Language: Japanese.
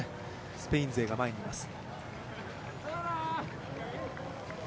スペイン勢が前にいます。